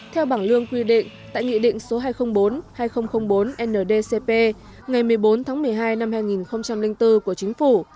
theo bảng lương quy định tại nghị định số hai trăm linh bốn hai nghìn bốn ndcp ngày một mươi bốn tháng một mươi hai năm hai nghìn bốn của chính phủ